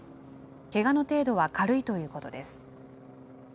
けがの程度は軽いということです。